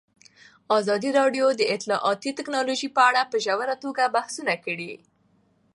ازادي راډیو د اطلاعاتی تکنالوژي په اړه په ژوره توګه بحثونه کړي.